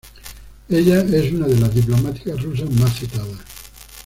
Ella es una de las diplomáticas rusas más citadas.